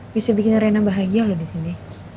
bisa bikin rena bahagia loh disini